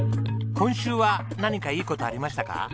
今週は何かいい事ありましたか？